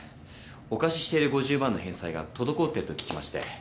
お貸ししている５０万の返済が滞っていると聞きまして。